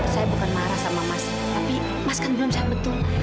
saya bukan marah sama mas tapi mas kan belum sehat betul